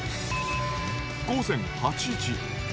午前８時。